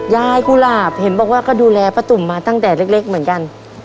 กุหลาบเห็นบอกว่าก็ดูแลป้าตุ๋มมาตั้งแต่เล็กเหมือนกัน